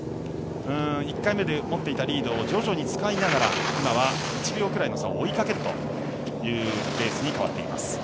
１回目で持っていたリードを徐々に使いながら１秒ぐらいの差を追いかけるというレースに変わっています。